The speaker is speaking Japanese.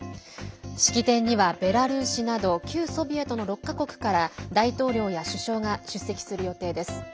式典にはベラルーシなど旧ソビエトの６か国から大統領や首相が出席する予定です。